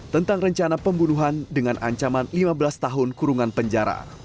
tentang rencana pembunuhan dengan ancaman lima belas tahun kurungan penjara